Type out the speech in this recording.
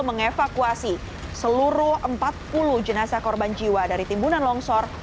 mengevakuasi seluruh empat puluh jenazah korban jiwa dari timbunan longsor